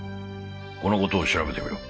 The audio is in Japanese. この事を調べてみろ。